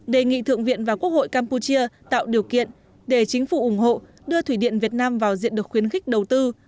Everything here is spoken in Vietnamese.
đề nghị thượng viện và quốc hội campuchia tạo điều kiện để chính phủ ủng hộ đưa thủy điện việt nam vào diện được khuyến khích đầu tư